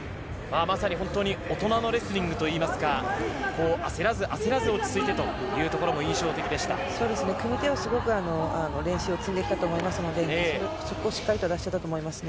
大人のレスリングといいますか、焦らず落ち着いてというところも組み手をすごく練習してきたと思いますので、そこをしっかり出していたと思います。